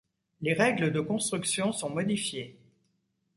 Les règles de construction sont modifiées.